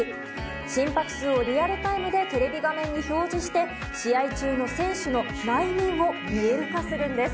心拍数をリアルタイムでテレビ画面に表示して試合中の選手の内面を見える化するんです。